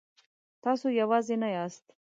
تاسو یوازې نه یاست.